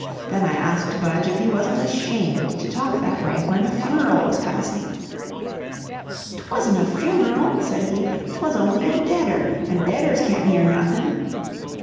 Then I asked Budge if he wasn't ashamed to talk that way when a funeral was passing. "'TWASN'T a funeral," said he. "'Twas only a deader, an' deaders can't hear nothin'."